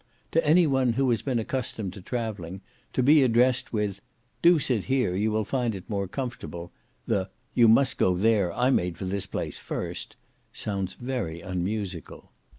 To any one who has been accustomed in travelling, to be addressed with, "Do sit here, you will find it more comfortable," the "You must go there, I made for this place first," sounds very unmusical.